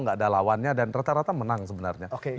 nggak ada lawannya dan rata rata menang sebenarnya